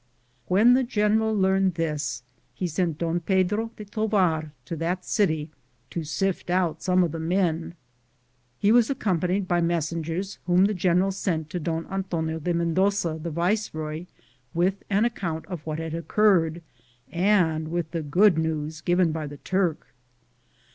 When the general learned this, he sent Don Pedro de Tovar to that city to sift ont some of the men. He was accompanied by messengers whom the general sent to Don Antonio de Mendoza the viceroy, with an account of what had occurred and with the good news given by the Turk.